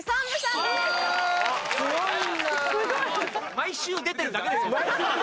毎週出てるだけですよ。